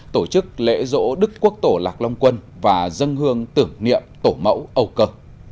tổ chức lễ dỗ đức quốc tổ lạc long quân và dân hương tưởng niệm tổ mẫu âu cơ